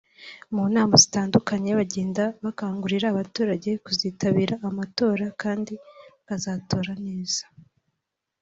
mu nama zitandukanye bagenda bakangurira abaturage kuzitabira amatora kandi bakazatora neza